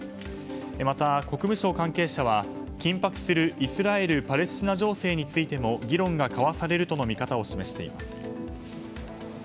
また国務省関係者は、緊迫するイスラエル・パレスチナ情勢についても議論が交わされるとの見方を示しています。